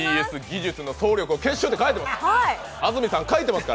ＴＢＳ技術の総力を結集って書いてます！